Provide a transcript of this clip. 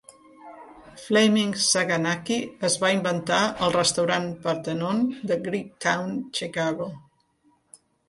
Flaming Saganaki es va inventar al restaurant Parthenon de Greektown, Chicago.